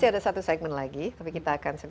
iya dan ini menjadi protokole